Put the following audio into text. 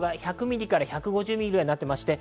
雨量は１００ミリから１５０ミリぐらいになってまして、